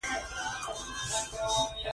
• د ورځې دعا د برکت سبب ګرځي.